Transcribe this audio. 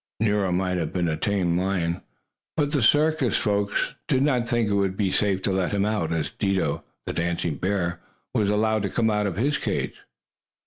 Nero might be a tame lion, but the circus folk did not think it would be safe to let him out, as Dido, the dancing bear, was allowed to come out of his cage.